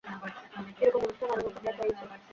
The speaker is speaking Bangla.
এ রকম অনুষ্ঠান আরও হোক, আমরা তাই চাই।